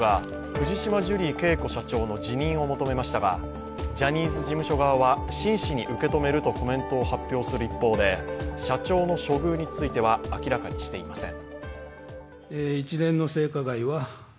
藤島ジュリー景子社長の辞任を求めましたが、ジャニーズ事務所側は真摯に受け止めるとコメントを発表する一方で社長の処遇については明らかにしていません。